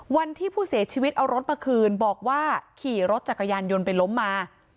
วันที่ผู้เสียชีวิตเอารถมาคืนบอกว่าขี่รถจักรยานยนต์ไปล้มมา